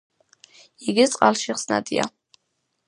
იგი წყალში ხსნადია.